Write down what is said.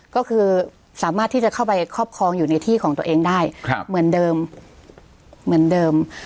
ก็คือสามารถที่จะเข้าไปครอบครองอยู่ในที่ของตัวเองได้เหมือนเดิมเหมือนเดิม